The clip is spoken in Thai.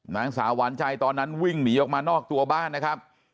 นางสาวหวานใจตอนนั้นวิ่งหนีออกมานอกตัวบ้านนะครับ